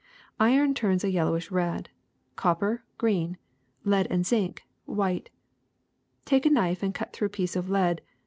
Iron turns a yellowish red; copper, green; lead and zinc, white. Take a knife and cut through a piece of lead.